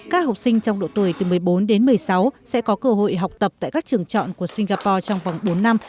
các học sinh trong độ tuổi từ một mươi bốn đến một mươi sáu sẽ có cơ hội học tập tại các trường chọn của singapore trong vòng bốn năm